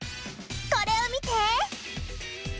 これをみて！